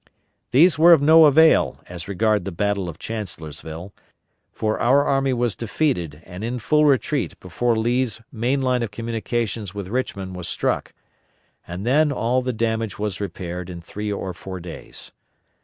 These were of no avail as regard the battle of Chancellorsville, for our army was defeated and in full retreat before Lee's main line of communication with Richmond was struck, and then all the damage was repaired in three or four days.